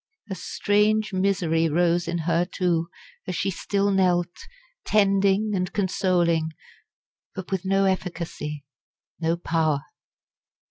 A strange misery rose in her too, as she still knelt, tending and consoling, but with no efficacy no power.